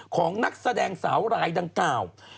ของนักแสดงสาวรายดังกล่าว